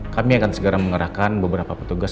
kami akan segera mengerahkan beberapa petugas